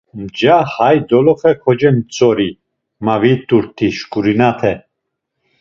Mca hay doloxe kocemtzori, ma vit̆urt̆i şǩurinate.